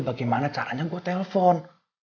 bagaimana caranya gue telpon